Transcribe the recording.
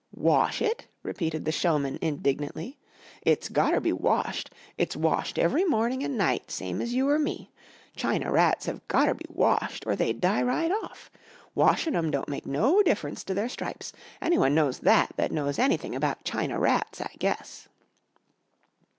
"Wash it?" repeated the showman indignantly. "It's gotter be washed. It's washed every morning an' night same as you or me. China rats have gotter be washed or they'd die right off. Washin' 'em don't make no difference to their stripes. Anyone knows that that knows anything about China rats, I guess."